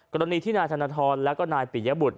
กรณีที่นายธรรณทอลและนายปียบุตร